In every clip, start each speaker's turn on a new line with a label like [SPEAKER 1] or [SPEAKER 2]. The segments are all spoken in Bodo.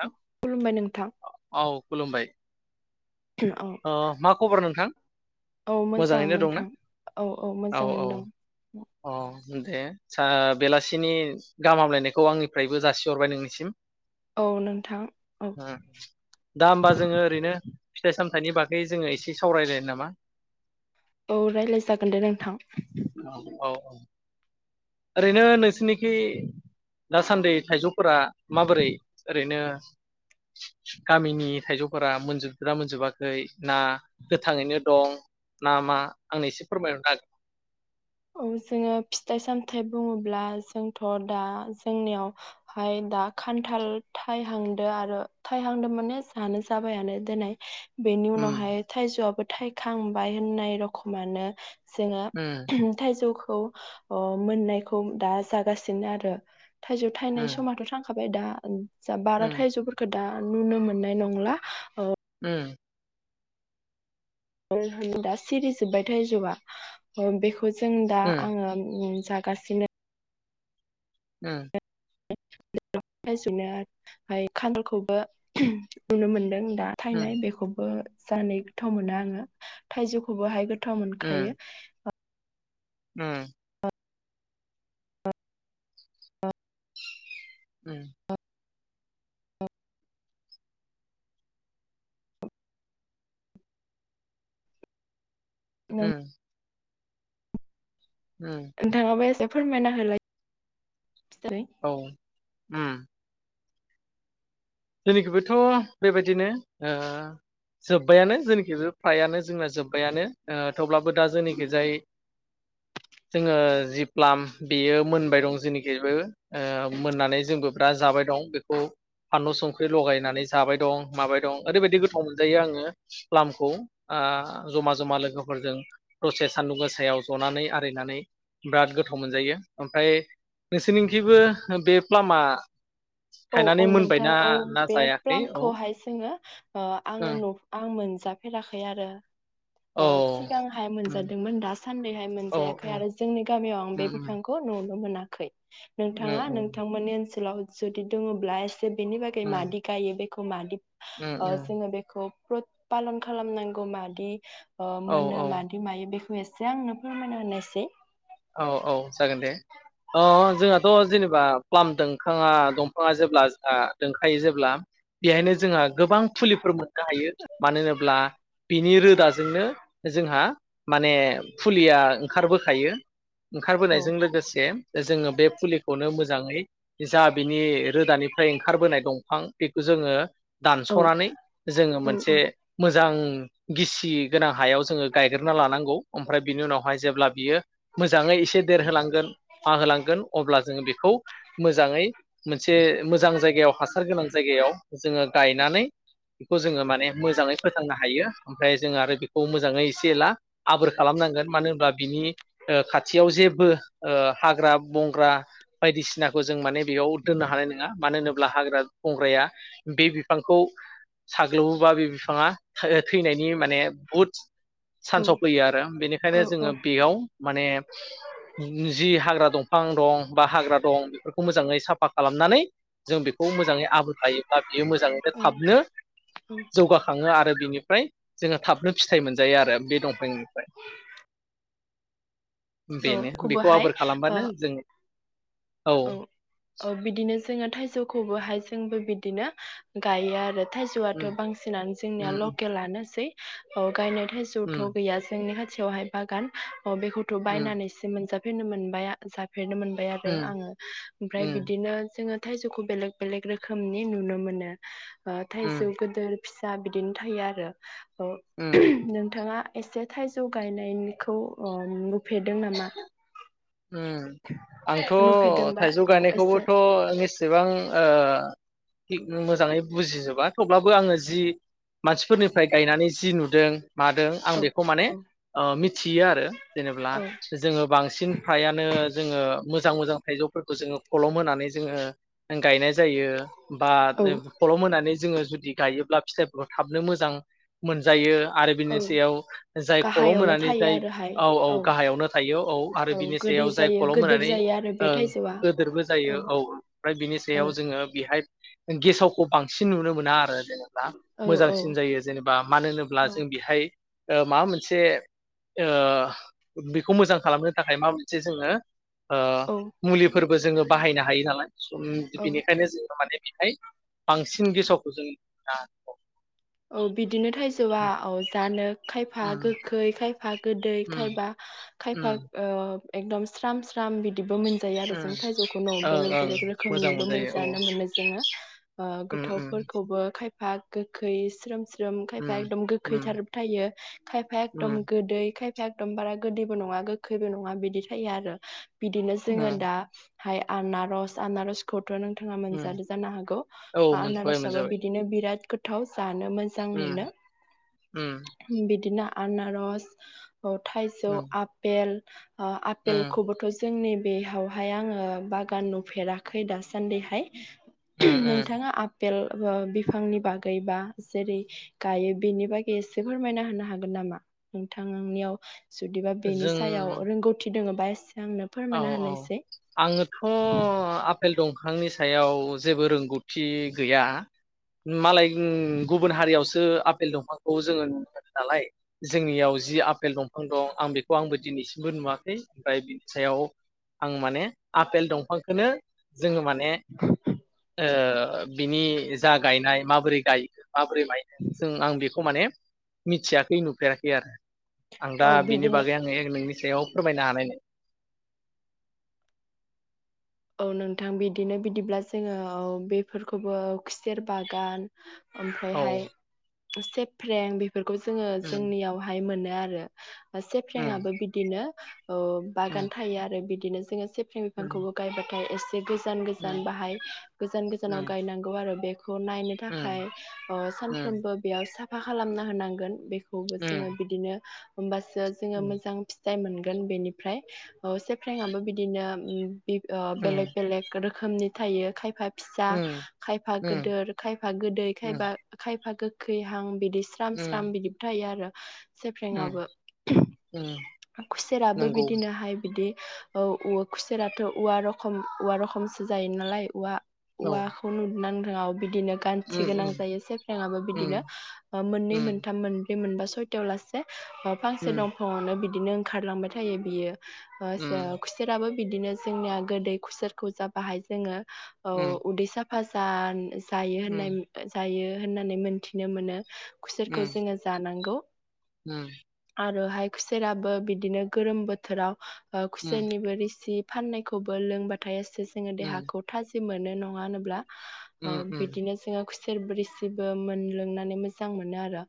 [SPEAKER 1] नोंथां
[SPEAKER 2] खुलुबाय नोंथां।
[SPEAKER 1] औ खुलुमबाय
[SPEAKER 2] औ
[SPEAKER 1] अ मा खबर नोंथां?
[SPEAKER 2] औ मोजां
[SPEAKER 1] मोजाङैनो दंना?
[SPEAKER 2] नोंथां औ औ मोजांङैनो दं।
[SPEAKER 1] अ दे सा बेलासिनि गाहाम हामलायनायखौ आंनिफ्रायबो जासिहरबाय नोंनिसिम।
[SPEAKER 2] औ नोंथां औ
[SPEAKER 1] ओम दा होमबा जोंङो ओरैनो फिथाइ साम फिथाइनि बागै जोंङो एसे सावरायलायनो नामा?
[SPEAKER 2] औ रायज्लाय जागोन दे नोंथां।
[SPEAKER 1] औ औ। ओरैनो नोंसोनिखि दासान्दि थाइजौ फोरा माबोरै ओरैनो गामिनि थाइजौफोरा मोनजोबदोना मोनजोबाखै ना गोथांङैनो दं ना मा आंनो एसे फोरमायहरनो हागोन
[SPEAKER 2] औ जोंङो फिथाइ सामथाइ बुंङोब्ला जोंथ' दा जोंनियावहाय दा खान्थाल थाइहांदो आरो थाइहांदो माने जानो जाबायानो देनाय। बेनि
[SPEAKER 1] उम
[SPEAKER 2] उनावहाय थाइजौआबो थाइखांबाय होननाय रख'मानो
[SPEAKER 1] ओम।
[SPEAKER 2] थायजौखौ ओ मोननायखौ दा जागासिनो आरो। थाइजौ थायनाय
[SPEAKER 1] उम
[SPEAKER 2] समाथ' थांखा बाय दा ओं। जा बारा
[SPEAKER 1] उम
[SPEAKER 2] थाइजौफोरफोरखो दा नुनो मोननाय नंला ओ
[SPEAKER 1] ओम।
[SPEAKER 2] मानो होनबा सिरि जोब्बाय थायजौआ ओ बेखौ बेखौ जों दा
[SPEAKER 1] उम
[SPEAKER 2] आंङो जागासिनो,
[SPEAKER 1] उम।
[SPEAKER 2] [inaudible] खानथालखौबो नुनो मोनदों। दा
[SPEAKER 1] उम
[SPEAKER 2] थायनाय बेखौबो जानो गोथाव मोनो आंङो थाइजौखौबो हाय गो गोथाव
[SPEAKER 1] उम
[SPEAKER 2] मोनखायो,
[SPEAKER 1] उम। उम। उम। उम
[SPEAKER 2] नोंथांङाबो एसे फोरमायना होलाय फिथै
[SPEAKER 1] औ उम। जोंनिखिबोथ' बेबायदिनो ओ जोबबायानो जोंनिखिबो फ्रायानो जोंना जोबबायानो ओ थेवब्लाबो दा जोंनिखिजाय जोङो जि प्लाम बेयो मोनबाय दं जेनिखिबो ओ मोननानै जोंबो दा जाबाय दं बेखौ फानलु संख्रि लगायनानै जाबाय दं माबाय दं ओरैबायदि गोथाव मोनजायो आङो प्लामखौ ओ जमा जमा लोगोफोरजों दसे सानदुं गोसायाव जनानै आरिनानै बिराद गोथाव मोनजायो ओमफ्राय नोंसोरनि खिबो बे प्लामा
[SPEAKER 2] औ
[SPEAKER 1] थायनानै
[SPEAKER 2] औ नों। थां
[SPEAKER 1] मोनबायना
[SPEAKER 2] औ
[SPEAKER 1] ना
[SPEAKER 2] बे
[SPEAKER 1] जायाखै
[SPEAKER 2] प्लाम
[SPEAKER 1] औ
[SPEAKER 2] खौहाय जोङो ओ
[SPEAKER 1] औ
[SPEAKER 2] आङो न आं मोनजाफेराखै आरो।
[SPEAKER 1] औ
[SPEAKER 2] ओ सिगांहाय मोनजादोंमोन दासान्दिहाय
[SPEAKER 1] औ औ
[SPEAKER 2] मोनजायाखै आरो जोंनि गामियाव आं
[SPEAKER 1] उम
[SPEAKER 2] बे
[SPEAKER 1] उम
[SPEAKER 2] बिफांखौ नुनो मोनाखै। खै
[SPEAKER 1] उम
[SPEAKER 2] नोंथाङा नोंथांमोननि ओनसोलाव जुदि दङब्ला ए से बेनि बागै
[SPEAKER 1] उम
[SPEAKER 2] मादि गायो बे खौ मादि
[SPEAKER 1] उम
[SPEAKER 2] ओ
[SPEAKER 1] उम
[SPEAKER 2] जोङो बेखौ [inaudible] फालन खालामनांगौ मादि ओ
[SPEAKER 1] औ
[SPEAKER 2] मोनो
[SPEAKER 1] औ
[SPEAKER 2] मादि मायो बेखौ एसे। जे आंनो फोरमायना होनाय एसे।
[SPEAKER 1] औ औ जागोन दे ओ जोंहाथ' जेनेबा प्लाम दोनखाङा दंफाङा जेब्ला ओ दंखायो जेब्ला बेहायनो जोंहा गोबां फुलिफोर मोननो हायो मानो होनोब्ला बिनि रोदाजोंनो जोंहा माने फुलिया ओंखारबोखायो।
[SPEAKER 2] औ
[SPEAKER 1] ओंखारबोनायजों लोगोसे जोङो बे फुलिखौनो मोजाङै जा बिनि रोदानिफ्राय ओंखारबोनाय दंफां बेखौ जोङो
[SPEAKER 2] औ
[SPEAKER 1] दानस'नानै जोङो
[SPEAKER 2] औ
[SPEAKER 1] मोनसे
[SPEAKER 2] औ
[SPEAKER 1] मो जां गिसि गोनां हायाव जोङो गायग्रोना लानांगौ ओमफ्राय बिनि उनावहाय जेब्ला बियो। मोज जाङै एसे देरहो लांगोन हा होलांगोन अब्ला जोङो बे खौ मोजाङै मोनसे मोजां जायगायाव हासार गोनां जायगायाव जोङो गायनानै बेखौ जोङो माने मोजाङै फोथांनो हायो ओमफ्राय जोङो आरो बेखौ मोजाङै एसे एला आबोर खालामनांगोन मानो होनब्ला बिनि ओ खाथियाव जेबो ओ हाग्रा बंग्रा बायदिसिनाखौ जों माने बेयाव दोननो हानाय नङा मानो होनो ब्ला हाग्रा बंग्राया बे बिफांखौ साग्लोबोबा बे बिफाङा थैनायनि माने बहुद
[SPEAKER 2] औ
[SPEAKER 1] चानसाव फैयो आरो बेनिखायनो
[SPEAKER 2] औ
[SPEAKER 1] जोङो बेयाव जि हाग्रा दंफां दं बा हाग्रा दं बेफोरखौ मोजाङै साफा खालामनानै जों बेखौ मोजाङै आबोर लायो ब्ला बियो मोजाङैनो
[SPEAKER 2] औ
[SPEAKER 1] थाबनो
[SPEAKER 2] औ
[SPEAKER 1] जौगाखाङो आ रो बिनिफ्राय जोङो थाबनो फिथाइ मोनजायो आरो बे दंफांनिफ्राय।
[SPEAKER 2] औ
[SPEAKER 1] बेनो बेखौ
[SPEAKER 2] खौबोहाय
[SPEAKER 1] आबोर
[SPEAKER 2] ओ
[SPEAKER 1] खालामबानो जों
[SPEAKER 2] औ औ बिदिनो जोङो थाइजौ खौबोहाय जोंबो बिदिनो गायो आरो थाइजौआथ'
[SPEAKER 1] उम
[SPEAKER 2] बांसिनानो जोंनिया
[SPEAKER 1] उम
[SPEAKER 2] लकेलानोसै औ गायनाय थाइजौथ'
[SPEAKER 1] उम
[SPEAKER 2] गैया जोंनि खा थियावहाय बागान अ बेखौथ'
[SPEAKER 1] उम
[SPEAKER 2] बायनानैसो मोनजा [unintelligible] मोनबाया जा फेरनो मोनबाय आरो
[SPEAKER 1] उम
[SPEAKER 2] आङो। ओमफ्राय
[SPEAKER 1] उम
[SPEAKER 2] बिदिनो जोङो थाइजौखौ बेलेग बेलेग रोखोमनि नुनो मोनो। बा थाइजौ
[SPEAKER 1] उम
[SPEAKER 2] गोदोर फिसा बिदिनो थायो आरो। औ
[SPEAKER 1] उम
[SPEAKER 2] नोंथाङा एसे थाइजौ गायनायनिखौ अ नु फेेरदों नामा?
[SPEAKER 1] उम आंथ'
[SPEAKER 2] नुफेरदोंबा
[SPEAKER 1] थाइजौ
[SPEAKER 2] औ एसे
[SPEAKER 1] गायनायखौबोथ' [unintelligible] एसेबां ओ थिग मोजाङै बुजिजोबा थेवब्लाबो आङो जि मानसिफोरनिफ्राय गायनानै जि नुदों मादों आं
[SPEAKER 2] औ
[SPEAKER 1] बेखौ माने
[SPEAKER 2] औ
[SPEAKER 1] अ मिथियो आरो जेनब्ला
[SPEAKER 2] औ
[SPEAKER 1] जोङो बांसिन ओ जोङो मोजां मोजां थ इजौफोरखो जोङो कलम होनानै जोङो गायनाय जायो बा
[SPEAKER 2] औ
[SPEAKER 1] कलम होनानै जोङो जुदि गायोब्ला फिथाइफोरखौ थाबनो मोजां मोनजायो। आरो बिनि
[SPEAKER 2] औ
[SPEAKER 1] सायाव जाय कलम
[SPEAKER 2] गाहायावनो
[SPEAKER 1] होनानै
[SPEAKER 2] थायो
[SPEAKER 1] जाय
[SPEAKER 2] आरोहाय
[SPEAKER 1] औ औ गाहायावनो थायो औ आरो
[SPEAKER 2] गोदै
[SPEAKER 1] जाय
[SPEAKER 2] जायो
[SPEAKER 1] कलम
[SPEAKER 2] गोदोर
[SPEAKER 1] होनानै
[SPEAKER 2] जायो आरो बे
[SPEAKER 1] ओं
[SPEAKER 2] थाइजौआ
[SPEAKER 1] गोदोरबो जायो औ ओमफ्राय बिनि
[SPEAKER 2] औ
[SPEAKER 1] सायाव जोङो हाय गेसावखौ बांसिन नुनो मोना आरो। जेनेबा
[SPEAKER 2] औ औ
[SPEAKER 1] मोजांसिन जायो जेनेबा मानो होनोब्ला जों बेहाय ओ माबा मोनसे ओ बेखौ मोजां खालामनो थाखाय माबा मोनसे जोङो
[SPEAKER 2] औ
[SPEAKER 1] मुलिफोर जोङो बाहायनो हायो नालाय। सम
[SPEAKER 2] औ
[SPEAKER 1] बिनिखायनो जोङो माने बेहाय बांसिन गेसावखौ जों [unintelligible]
[SPEAKER 2] औ बिदिनो थाइजौआ
[SPEAKER 1] उम
[SPEAKER 2] औ जानो खायफा
[SPEAKER 1] उम
[SPEAKER 2] गोखै खायफा गोदै खायफा
[SPEAKER 1] उम
[SPEAKER 2] खायफा एदम स्राम फ्राम बिदिबो मोनजायो आरो जों थाइजौखौ
[SPEAKER 1] ओं
[SPEAKER 2] न'
[SPEAKER 1] ओं
[SPEAKER 2] बेलेग बेलेग
[SPEAKER 1] मोजां
[SPEAKER 2] रोखोमनिबो
[SPEAKER 1] मोनजायो औ
[SPEAKER 2] मोनजानो मोनो जोङो ओ
[SPEAKER 1] उम उम
[SPEAKER 2] गोथावफोरखौबो खाय हा गोखै स्रोम ग्रोम खायफा
[SPEAKER 1] उम
[SPEAKER 2] एकदम
[SPEAKER 1] उम
[SPEAKER 2] गोखैथार थायो खायफाया
[SPEAKER 1] उम
[SPEAKER 2] एकदम गोदै खायफा ए एखदम बारा गोदैबो नङा गोखैबो नङा बिदि थायो आरो। बिदिनो जोङो दा हाय आनारस आनारसखौ थ' नोंथाङा
[SPEAKER 1] उम
[SPEAKER 2] मोनजाद जानो हागौ
[SPEAKER 1] औ मोनजाबाय
[SPEAKER 2] आनारसाबो
[SPEAKER 1] मोनजाबाय
[SPEAKER 2] बिदिनो बिराद गोथाव जानो मोजां
[SPEAKER 1] उम
[SPEAKER 2] मोनो
[SPEAKER 1] उम
[SPEAKER 2] बिदिनो। आनारस औ थाइजौ
[SPEAKER 1] उम
[SPEAKER 2] आपेल ओ
[SPEAKER 1] उम
[SPEAKER 2] आपेलखौबोथ' जोंनि बेयावहाय आङो बागान नुफेराखै दासान्दिहाय
[SPEAKER 1] उम उम
[SPEAKER 2] नोंथाङा आपेल ओ बिफांनि बागै बा जेरै गायो बेनि बागै एसे फोरमायना होनो हागोन नामा नोंथांनियाव? जुदिबा बेनि सायाव
[SPEAKER 1] जों
[SPEAKER 2] रोंगौथि दोङो बास
[SPEAKER 1] औ औ आङोथ' आपेल दं फांनि सायाव जेबो रोंगौथि गैया मालाय गुबुन हारियावसो आफेल दंफांखौ जोङो नुनो मोनो नालाय जोंनियाव जि आपेल दंफां दं आं बेखौ आंबो दिनैसिमबो नुवाखै ओमफ्राय सायाव आं माने आफेल दंफांखौनो जोंङो माने ओ बिनि जा गायनाय माबोरै गायो माबोरै मायनो जों आं बेखौ खौ माने मिथियाखै नुफेराखै आरो आं दा
[SPEAKER 2] औ
[SPEAKER 1] बिनि
[SPEAKER 2] बिदिनो
[SPEAKER 1] बागै आंङो नोंनि सयाव फोरमायनो हानाय नो
[SPEAKER 2] औ नोंथां बिदिनो बिदिब्ला जोंङो औ बेफोरखौबो खुसेर बागान ओमफ्राय
[SPEAKER 1] औ
[SPEAKER 2] हाय सेप्रें बे फोरखौ जोंङो
[SPEAKER 1] उम
[SPEAKER 2] जोंनियावहाय मोनो आरो
[SPEAKER 1] उम
[SPEAKER 2] सेफ्रेें आबो बिदिनो ओ बागान थायो आरो बिदिनो [unintelligible] [unintelligible] [unintelligible] गोजान गोजान बाहाय गोजान गोजानाव गायनांगौ आरो बे खौ नायनो थाखाय ओ सानफ्रोमबो बेयाव साफा खालामनानै होनांगोन बेखौ बेखौबो जोंङो बिदिनो होमबास जो मोजां फथ जाय मोनगोन बेनिफ्राय से फ्रेंआबो बिदिनो बेलेग
[SPEAKER 1] नंगौ
[SPEAKER 2] बेलेग रोखोमनि थायो खायफा फिसा खायफा गदिर खायफा गोदै खायफा खायफा खै हां बिदि स्राम स्राम बिदिबो थायो आरो
[SPEAKER 1] उम
[SPEAKER 2] सेफ्रेंआबो
[SPEAKER 1] उम
[SPEAKER 2] खुसेराबो बिदिनोहाय बि बिदि औ औ खुसेराथ‌ औवा रख औवा रखमसो जायो नालाय औवा
[SPEAKER 1] औ
[SPEAKER 2] उवा खौ उना [unintelligible] बिदिनो गान्थि गोनां जायो सेफ्रेंबो बिदिनो मोननै मोनथाम मोन मोनबा सयथायाव लासे फांसे दंफाङावनो बिदि बिदिनो ओंखारलांबाय थायो बियो ओ सा खुसेराबो बिदिनो जोंनिया गोदै खुसारखौ जाबाहाय जोङो अ उदैसा फासान जायो होननाय जायो होननानै मोनथिनो मोनो खुसेरखौ जोङो जानांगौ।
[SPEAKER 1] उम
[SPEAKER 2] आरोहाय खुसेराबो बिदिनो गोरोम बोथोराव ओ कुसेरनिबो रोसि फाननायखौबो लोंबाथाय जोङो देहाखौ थाजिम [unintelligible] मोनो नङा होनोब्ला ओ बिदिनो जोङो [unintelligible] रोसिबो मोनलोंनानै मोजां मोनो आरो।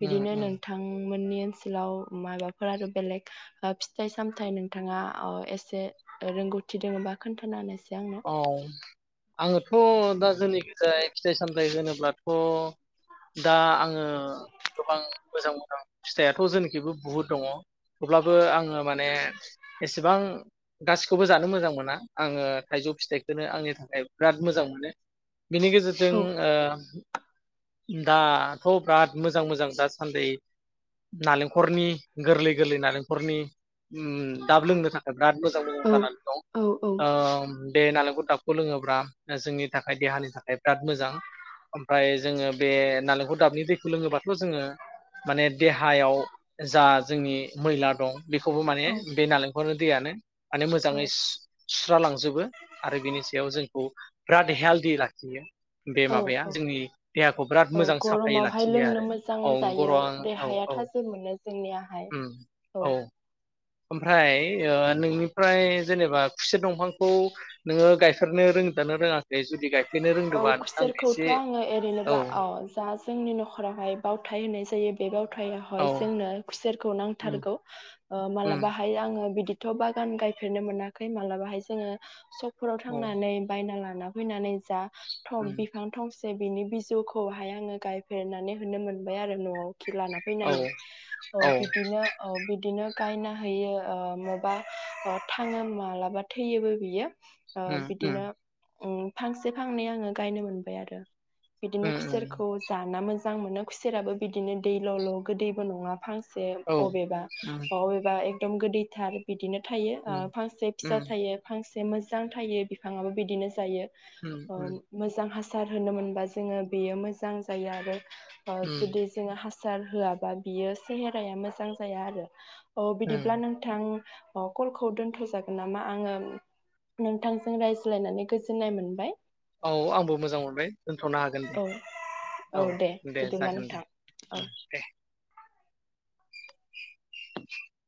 [SPEAKER 2] बिदिनो नोंथां मोननि [unintelligible] ओनसोलाव माबाफोर आरो बेलेग फिथाइ- सामथाइ ओ नोंथाङा ओ एसे रोंगौथि दङबा खोन्था होनायसाय। आंनो
[SPEAKER 1] औ आङोथ' दा जोंनि जाय फिथाइ -सामथाइ होनोब्लाथ' दा आङो गोबां मोजां मोजां फिथाइआथ जोंनिखिबो बुहुद दङ थेवब्लाबो आङो माने एसेबां गासिखौबो जानो मोजां मोना आङो थाइजौ फिथाइखौनो आंनि थाखाय बिराद मोजां मोनो। बिनि गेजेरजों
[SPEAKER 2] औ
[SPEAKER 1] ओ दाथ' बिराद मोजां मोजां दासान्दि नालेंखरनि गोरलै गोरलै नालेंखरनि ओम दाब लोंनो थाखाय बिराद मोजां मोजां
[SPEAKER 2] औ
[SPEAKER 1] जानानै दं
[SPEAKER 2] औ औ
[SPEAKER 1] ओ बे नालेंखर दाबखौ लोङोब्ला जोंनि थाखाय देहानि थाखाय बिराद मोजां ओमफ्राय जोङो बे नालेंखर दाबनि दैखौ लोङोब्लााथ' जोङो माने देहायाव जा जोंनि मैला दं बेखौबो माने बे नालेंखरनो दैयानो माने
[SPEAKER 2] औ
[SPEAKER 1] मोजाङै सु- सुस्रालांजोबो आरो बिनि सायाव जोंखौ बिराद हेल्दि लाखियो। बे
[SPEAKER 2] औ
[SPEAKER 1] माबाया
[SPEAKER 2] औ
[SPEAKER 1] जोंनि देहाखौ बिराद
[SPEAKER 2] औ
[SPEAKER 1] मोजां साफायै
[SPEAKER 2] गरमावहाय
[SPEAKER 1] लाखियो
[SPEAKER 2] लोंनो
[SPEAKER 1] आरो
[SPEAKER 2] मोजां
[SPEAKER 1] औ
[SPEAKER 2] जायो
[SPEAKER 1] गर'औ
[SPEAKER 2] देहाया
[SPEAKER 1] औ।
[SPEAKER 2] थाजिम मोनो जोंनियाहाय
[SPEAKER 1] उम
[SPEAKER 2] औ।
[SPEAKER 1] ओमफ्राय ओ नोंनिफ्राय जेनेबा खुसेर दंफांखौ नोङो गाय फेरनो रोंदोना रोङाखै जुदि गाय
[SPEAKER 2] औ खुसेर खौथ' आङो ओरैनोबा औ जा जोंनि नखराव हाय बावथाय होननाय जायो बे बाव आमफ्राय
[SPEAKER 1] औ
[SPEAKER 2] हय जोंनो खुसेरखौ
[SPEAKER 1] उम
[SPEAKER 2] नांथारगौ ओ
[SPEAKER 1] उम
[SPEAKER 2] मालाबा हाय आङो बिदि थ बागान गायफेरनो मोनाखै मालाबा हाय जोङो सब फोराव
[SPEAKER 1] औ
[SPEAKER 2] थांनानै बायना लाय ना फैनानै जा थं
[SPEAKER 1] उम
[SPEAKER 2] बिफां थंसे बिनि बिजौ खौहाय आङो गायफेर नानै होनो मोनबाय आरो नआव। खि लाना
[SPEAKER 1] औ
[SPEAKER 2] फैनानै ओ
[SPEAKER 1] औ
[SPEAKER 2] बिदिनो ओ बिदिनो गायना हैयो ओ मबा ओ थाङो मालाबा थैयोबो बियो। ओ
[SPEAKER 1] उम उम
[SPEAKER 2] बिदिनो उम फांसे फांनै आङो गायनो मोनबाय आरो। बिदिनो
[SPEAKER 1] उम
[SPEAKER 2] खुसेर
[SPEAKER 1] उम
[SPEAKER 2] खौ जाना मोज मोजां मोनो खुसेराबो बिदिनो दै ल' ल' गोदैबो नङा फां से
[SPEAKER 1] औ
[SPEAKER 2] अबेबा
[SPEAKER 1] उम
[SPEAKER 2] अबेबा एकदम गोदै थार बिदिनो थायो ओ
[SPEAKER 1] उम
[SPEAKER 2] फांसे फिसा
[SPEAKER 1] उम
[SPEAKER 2] थायो फांस बे मोजां थायो बिफाङाबो बिदिनो जायो।
[SPEAKER 1] उम
[SPEAKER 2] अ
[SPEAKER 1] उम
[SPEAKER 2] मोजां हास सार होनो मोनबा जोङो बेयो मोजां जायो आरो। ओ
[SPEAKER 1] उम
[SPEAKER 2] जुदि जोङो हास सार होआबा बियो सेहेराया मोजां जाया आरो। औ बिदिब्ला
[SPEAKER 1] उम
[SPEAKER 2] नोंथां अ कल खौ दोनथ' जागोन नामा आङो नोंथांजों रायज्लाय नानै गोजोननाय मोनबाय।
[SPEAKER 1] औ आंबो मोजां मोनबाय दोनथ'नो हागोन दे
[SPEAKER 2] औ
[SPEAKER 1] औ दे जागोन
[SPEAKER 2] औ
[SPEAKER 1] उम दे। [inaudible]